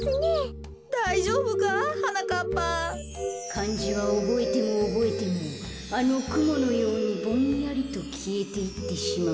かんじはおぼえてもおぼえてもあのくものようにぼんやりときえていってしまうんだよ。